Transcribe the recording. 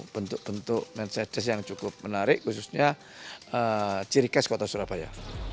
bentuk bentuk mensedes yang cukup menarik khususnya ciri khas kota surabaya